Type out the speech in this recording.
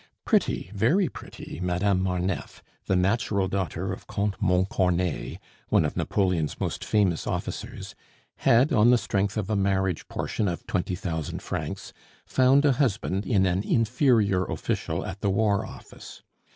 Pretty very pretty Madame Marneffe, the natural daughter of Comte Montcornet, one of Napoleon's most famous officers, had, on the strength of a marriage portion of twenty thousand francs, found a husband in an inferior official at the War Office.